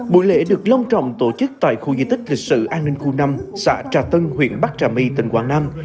buổi lễ được long trọng tổ chức tại khu di tích lịch sử an ninh khu năm xã trà tân huyện bắc trà my tỉnh quảng nam